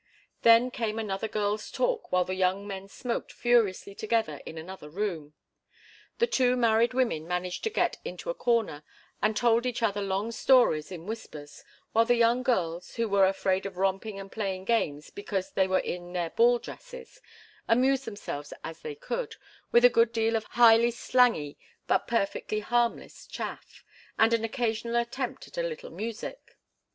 Then came another girls' talk while the young men smoked furiously together in another room. The two married women managed to get into a corner, and told each other long stories in whispers, while the young girls, who were afraid of romping and playing games because they were in their ball dresses, amused themselves as they could, with a good deal of highly slangy but perfectly harmless chaff, and an occasional attempt at a little music.